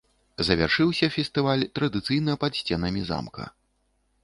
Завяршыўся фестываль традыцыйна пад сценамі замка.